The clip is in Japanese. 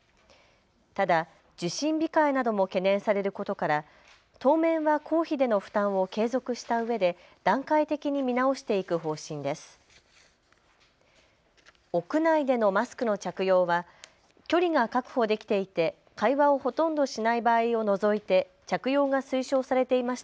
ただ、受診控えなども懸念されることから当面は公費での負担を継続したうえで段階的に見直していく方針です。